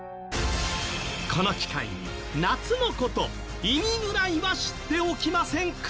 この機会に夏の事意味ぐらいは知っておきませんか？